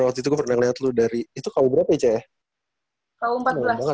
waktu itu gue pernah liat lu dari itu tahun berapa ya cak ya